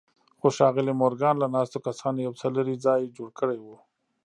خو ښاغلي مورګان له ناستو کسانو يو څه لرې ځای جوړ کړی و.